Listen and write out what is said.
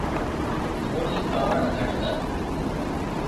ٿُوڙِي ڪاوڙ گهٽ ڪر۔